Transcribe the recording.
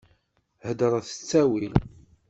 Heḍṛet s ttawil!